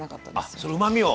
あっそのうまみを。